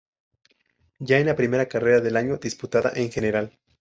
Ya en la primera carrera del año disputada en Gral.